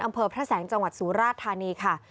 อำเภอพระแสงจังหวัดสุราชธานีค่ะ